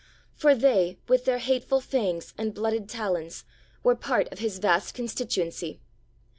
For they, with their hateful fangs and blooded talons, were part of His vast constituency.